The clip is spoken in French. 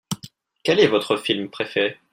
Quel est votre film préféré ?